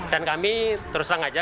dan kami terus langgaja